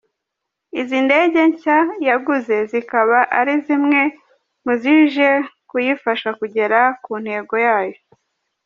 Izi ndege nshya yaguze zikaba ari zimwe muzije kuyifasha kugera ku ntego yayo.